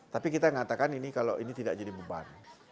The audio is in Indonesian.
tapi kita mengatakan ini kalau ini tidak jadi beban